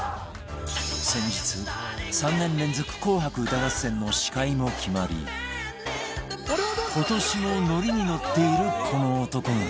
先日３年連続『紅白歌合戦』の司会も決まり今年もノリに乗っているこの男が